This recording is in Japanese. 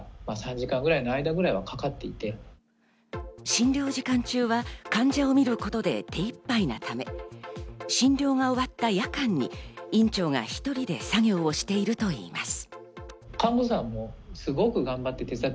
診療時間中は患者を診ることで手いっぱいなため、診療が終わった夜間に院長が１人で作業をしているといいます。